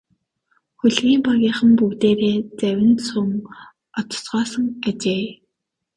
Хөлгийн багийнхан бүгдээрээ завинд суун одоцгоосон ажээ.